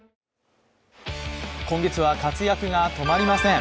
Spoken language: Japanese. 今月は活躍が止まりません。